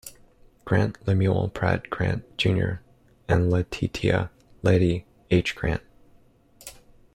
Grant, Lemuel Pratt Grant, Junior and Letitia "Lettie" H. Grant.